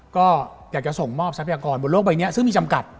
ก็อยากจะส่งมอบทรัพยากรบนโลกใบนี้ซึ่งมีจำกัด